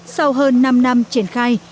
sau hơn năm năm triển khai